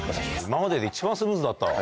今までで一番スムーズだったわ。